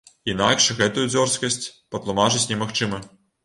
Інакш гэтую дзёрзкасць патлумачыць немагчыма.